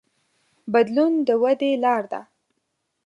بدلون د ودې لار ده.